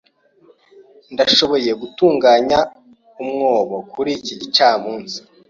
Ndashoboye gutunganya umwobo kuri iki gicamunsi.